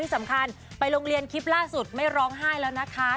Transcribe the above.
สำคัญไปโรงเรียนคลิปล่าสุดไม่ร้องไห้แล้วนะคะ